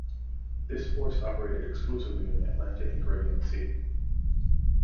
This force operated exclusively in the Atlantic and Caribbean Sea.